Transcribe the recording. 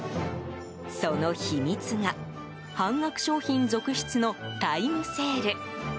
その秘密が半額商品続出のタイムセール。